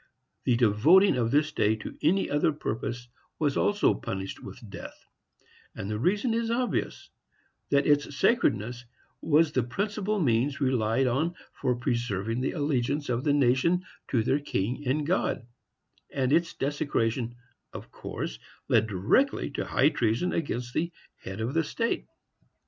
The devoting of this day to any other purpose was also punished with death; and the reason is obvious, that its sacredness was the principal means relied on for preserving the allegiance of the nation to their king and God, and its desecration, of course, led directly to high treason against the head of the state.